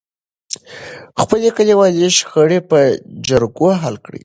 خپلې کليوالې شخړې په جرګو حل کړئ.